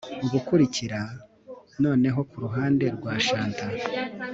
Ubukurikira noneho kuruhande rwa chanter